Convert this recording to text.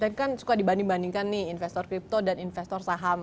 dan kan suka dibanding bandingkan nih investor crypto dan investor saham